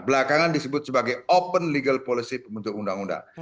belakangan disebut sebagai open legal policy pembentuk undang undang